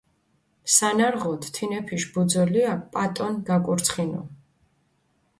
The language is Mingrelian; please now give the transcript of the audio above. სანარღოთ, თინეფიშ ბუძოლიაქ პატონი გაკურცხინუ.